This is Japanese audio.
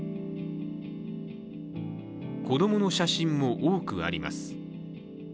子供の写真も多くあります。